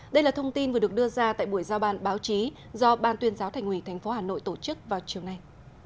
đây là thông tin vừa được đưa ra tại buổi giao bàn báo chí do ban tuyên giáo thành quỳ thành phố hà nội tổ chức vào chiều nay